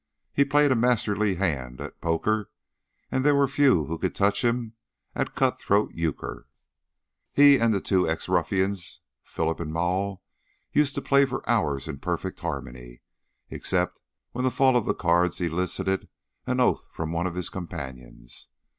He played a masterly hand at poker, and there were few who could touch him at "cut throat euchre." He and the two ex ruffians, Phillips and Maule, used to play for hours in perfect harmony, except when the fall of the cards elicited an oath from one of his companions.